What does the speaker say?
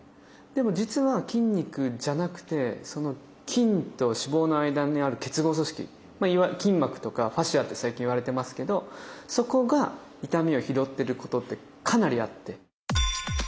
でも実は筋肉じゃなくてその筋と脂肪の間にある結合組織いわゆる筋膜とかファシアって最近いわれてますけどそこが痛みを拾ってることってかなりあって。